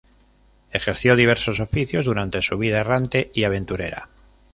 Ejerció diversos oficios durante su vida, errante y aventurera.